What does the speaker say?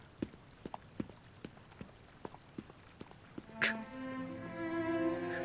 くっ。